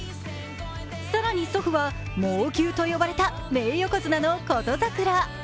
更に祖父は猛牛と呼ばれた名横綱の琴櫻。